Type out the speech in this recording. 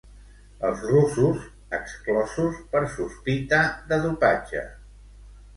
Els russos, exclosos per sospita de dopatge.